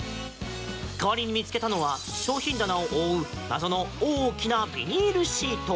代わりに見つけたのは商品棚を覆う謎の大きなビニールシート。